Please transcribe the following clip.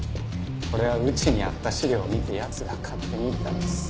これはうちにあった資料を見て奴が勝手に行ったんです。